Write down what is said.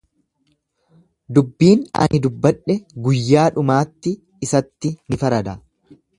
Dubbiin ani dubbadhe guyyaa dhumaatti isatti ni farada.